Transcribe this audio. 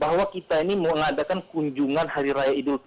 bahwa kita ini mengadakan kunjungan hari raya idul fitri